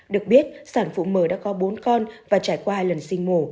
được biết sản phụ mờ đã có bốn con và trải qua hai lần sinh mổ